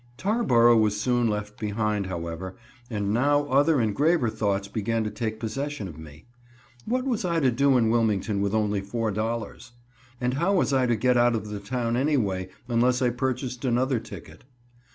Tarboro was soon left behind, however, and now other and graver thoughts began to take possession of me. What was I to do in Wilmington with only four dollars? And how was I to get out of the town anyway, unless I purchased another ticket?